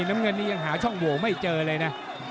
น้ำเงินนี้ยังหาช่องโหวไม่เจอเลยนะ